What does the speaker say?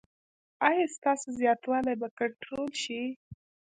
ایا ستاسو زیاتوالی به کنټرول شي؟